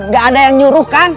gak ada yang nyuruhkan